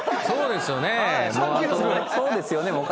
そうですよね。